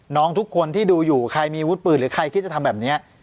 ทุกคนที่ดูอยู่ใครมีวุฒิปืนหรือใครคิดจะทำแบบนี้